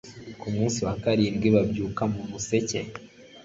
ku munsi wa karindwi babyuka mu museke